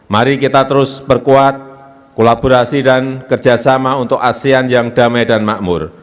mari kita terus perkuat kolaborasi dan kerjasama untuk asean yang damai dan makmur